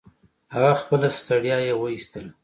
هغه خپله ستړيا يې و ايستله.